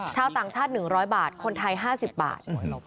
ชาวต่างชาติ๑๐๐บาทคนไทย๕๐บาท